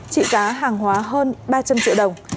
trị giá hàng hóa hơn ba trăm linh triệu đồng